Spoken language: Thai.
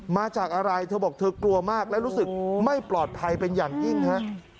มาจากอะไรเธอบอกเธอกลัวมากและรู้สึกไม่ปลอดภัยเป็นอย่างยิ่งฮะ